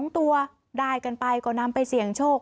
๒ตัวได้กันไปก็นำไปเสี่ยงโชค